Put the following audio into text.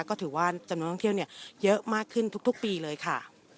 ก็ถือว่าจำนวนท่องเที่ยวเยอะมากขึ้นทุกปีเลยค่ะ